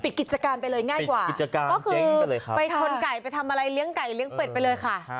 กิจการไปเลยง่ายกว่ากิจการก็คือไปชนไก่ไปทำอะไรเลี้ยงไก่เลี้ยเป็ดไปเลยค่ะ